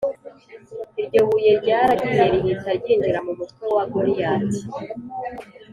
Iryo buye ryaragiye rihita ryinjira mu mutwe wa Goliyati